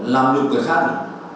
làm nhục người khác này